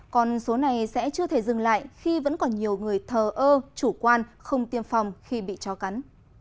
còn số này sẽ chưa thể dừng lại khi vẫn còn nhiều người thờ ơ chủ quan không tiêm phòng khi bị chó cắn